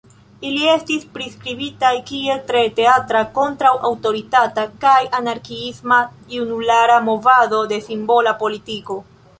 Ili estis priskribitaj kiel tre teatra, kontraŭ-aŭtoritata kaj anarkiisma junulara movado de "simbola politiko".